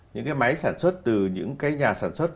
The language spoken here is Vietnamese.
những cái máy sản xuất từ những cái nhà sản xuất